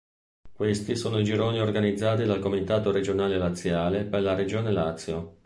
Questi sono i gironi organizzati dal Comitato Regionale Laziale per la regione Lazio.